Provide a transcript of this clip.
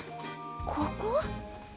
ここ？